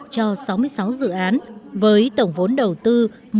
cho sáu mươi sáu dự án với tổng vốn đầu tư một trăm sáu mươi sáu